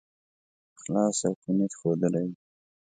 اخلاص او ښه نیت ښودلی وو.